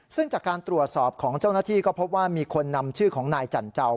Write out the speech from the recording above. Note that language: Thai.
ซึ่งจากการตรวจสอบของเจ้าหน้าที่ก็พบว่ามีคนนำชื่อของนายจันเจ้า